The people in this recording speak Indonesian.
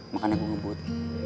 makanya gue ngebut